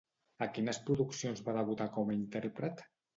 A quines produccions va debutar com a intèrpret?